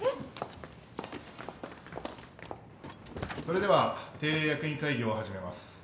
それでは定例役員会議を始めます。